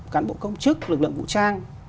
cán bộ công chức lực lượng vũ trang